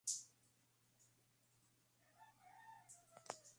Él había escuchado recientemente la pieza en la televisión.